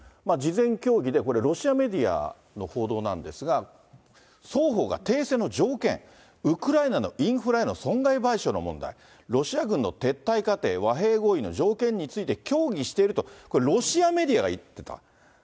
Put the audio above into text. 事前協議で、これ、ロシアメディアの報道なんですが、双方が停戦の条件、ウクライナのインフラへの損害賠償の問題、ロシア軍の撤退過程、和平合意の条件について協議していると、これ、ロシアメディアが言ってた。